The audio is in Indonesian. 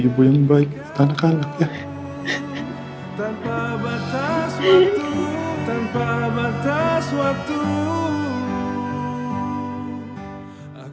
hanya bapak ya